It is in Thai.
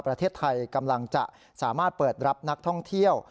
ประเทศไทยกำลังจะสามารถเปิดรับนักท่องเที่ยว